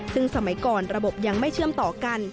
ซึ่งสมัยก่อนระบบยังไม่เชื่อมต่อกัน